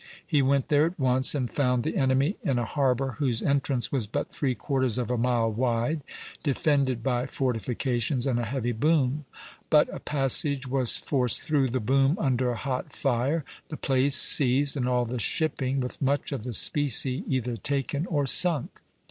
He went there at once, and found the enemy in a harbor whose entrance was but three quarters of a mile wide, defended by fortifications and a heavy boom; but a passage was forced through the boom under a hot fire, the place seized, and all the shipping, with much of the specie, either taken or sunk.